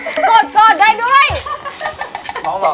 กดได้ด้วย